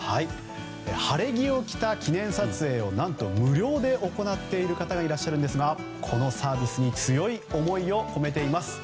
晴れ着を着た記念撮影を何と無料で行っている方がいらっしゃるんですがこのサービスに強い思いを込めています。